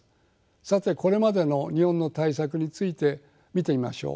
さてこれまでの日本の対策について見てみましょう。